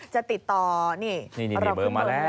จะติดต่อนี่เราเบอร์มาแล้ว